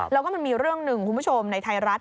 แล้วก็มันมีเรื่องหนึ่งคุณผู้ชมในไทยรัฐ